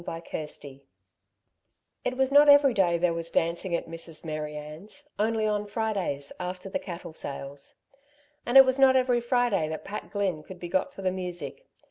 CHAPTER XIX It was not every day there was dancing at Mrs. Mary Ann's only on Fridays, after the cattle sales. And it was not every Friday that Pat Glynn could be got for the music.